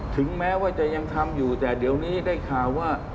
ถึงแม้ว่าจะยังทำอยู่แต่เดี๋ยวนี้ได้ข่าวว่า